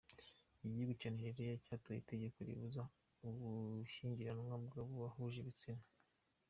Igihugu cya Nigeria cyatoye itegeko ribuza ugushyingiranwa kw’abahuje ibitsina.